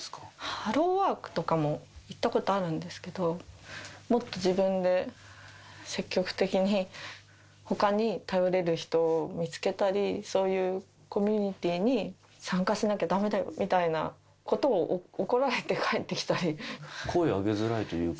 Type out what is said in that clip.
ハローワークとかも、行ったことあるんですけど、もっと自分で積極的に、ほかに頼れる人を見つけたり、そういうコミュニティーに参加しなきゃだめだよみたいなことを怒声を上げづらいというか。